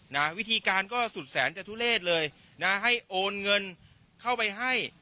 นะวิธีการก็สุดแสนจทุเลศเลยนะให้โอนเงินเข้าไปให้